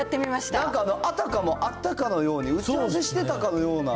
なんかあたかもあったかのように、承知してたかのように。